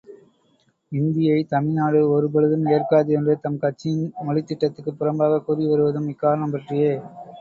இந்தியைத் தமிழ்நாடு ஒருபொழுதும் ஏற்காது என்று தம் கட்சியின் மொழித் திட்டத்துக்குப் புறம்பாகக் கூறிவருவதும் இக்காரணம் பற்றியே!